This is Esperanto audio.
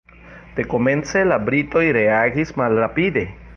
Dekomence la britoj reagis malrapide.